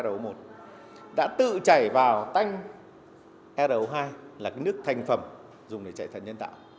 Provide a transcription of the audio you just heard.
ro một đã tự chảy vào tanh ro hai là cái nước thành phẩm dùng để chạy thận nhân tạo